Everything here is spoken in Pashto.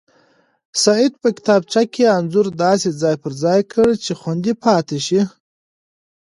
سعید په کتابچه کې انځور داسې ځای پر ځای کړ چې خوندي پاتې شي.